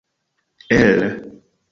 el